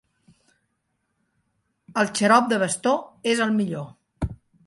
El xarop de bastó és el millor.